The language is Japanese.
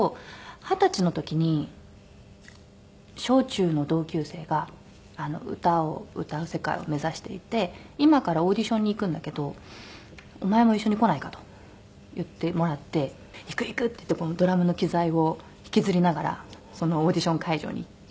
二十歳の時に小中の同級生が歌を歌う世界を目指していて「今からオーディションに行くんだけどお前も一緒に来ないか」と言ってもらって「行く行く！」って言ってドラムの機材を引きずりながらそのオーディション会場に行って。